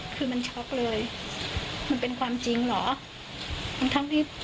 คือมันช็อคเลยมันเป็นความจริงหรอมันทั้งที่